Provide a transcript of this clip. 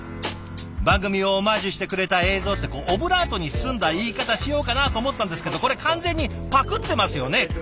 番組をオマージュしてくれた映像ってオブラートに包んだ言い方しようかなと思ったんですけどこれ完全にパクってますよね？